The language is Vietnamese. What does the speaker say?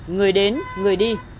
người đến người đi